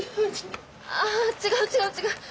あ違う違う違う。